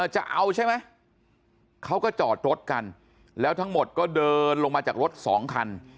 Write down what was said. จะเอาใช่ไหมเขาก็จอดรถกันแล้วทั้งหมดก็เดินลงมาจากรถสองคัน